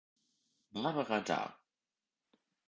Barbara dar.